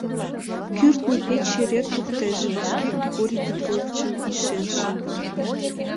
Кӱртньӧ пече эре туртеш, вашке Григорий Петровичым ишен шында.